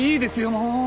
もう！